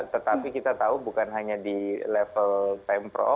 tetapi kita tahu bukan hanya di level time pro